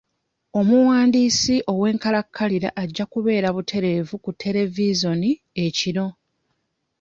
Omuwandiisi ow'enkalakalira ajja kubeera butereevu ku televizoni ekiro.